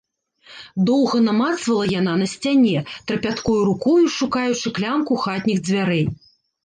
Доўга намацвала яна на сцяне, трапяткою рукою шукаючы клямку хатніх дзвярэй.